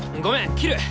切る！